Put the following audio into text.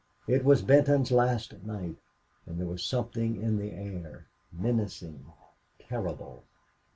It was Benton's last night, and there was something in the air, menacing, terrible.